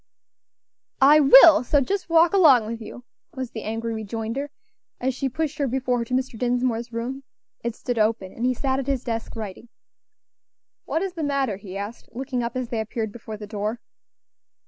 "I will! so just walk along with you," was the angry rejoinder, as she pushed her before her to Mr. Dinsmore's door. It stood open, and he sat at his desk, writing. "What is the matter?" he asked, looking up as they appeared before the door.